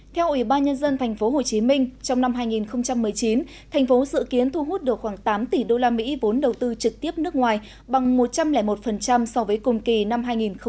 theo ủy ban nhân dân tp hcm trong năm hai nghìn một mươi chín thành phố dự kiến thu hút được khoảng tám tỷ usd vốn đầu tư trực tiếp nước ngoài bằng một trăm linh một so với cùng kỳ năm hai nghìn một mươi tám